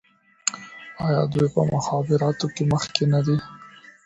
آیا دوی په مخابراتو کې مخکې نه دي؟